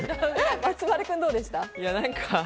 松丸君どうですか？